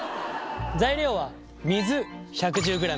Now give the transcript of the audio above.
材料は水１１０ｇ。